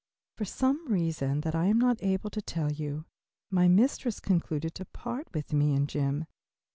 For some reason that I am not able to tell you, my mistress concluded to part with me and Jim.